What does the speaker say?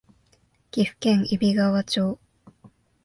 岐阜県揖斐川町